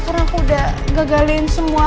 karena aku udah gagalin semua